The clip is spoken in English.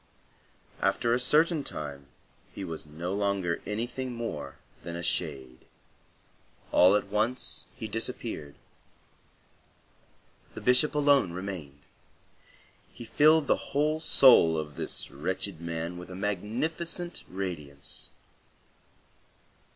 After a certain time he was no longer anything more than a shade. All at once he disappeared. The Bishop alone remained; he filled the whole soul of this wretched man with a magnificent radiance.